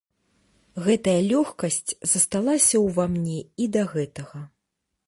Гэтая лёгкасць засталася ўва мне і да гэтага.